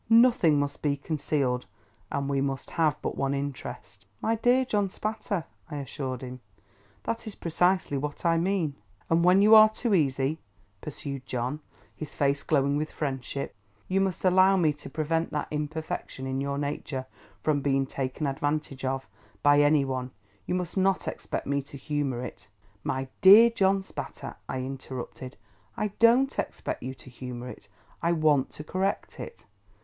Nothing must be concealed, and we must have but one interest." "My dear John Spatter," I assured him, "that is precisely what I mean." "And when you are too easy," pursued John, his face glowing with friendship, "you must allow me to prevent that imperfection in your nature from being taken advantage of, by any one; you must not expect me to humour it—" "My dear John Spatter," I interrupted, "I don't expect you to humour it. I want to correct it."